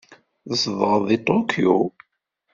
Tzedɣeḍ deg Tokyo?